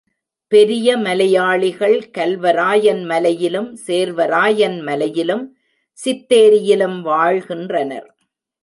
பெரிய மலையாளிகள் கல்வராயன் மலையிலும், சேர்வராயன் மலையிலும், சித்தேரியிலும் வாழ்கின்றனர்.